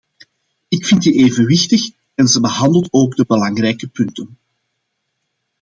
Ik vind die evenwichtig en ze behandelt ook de belangrijke punten.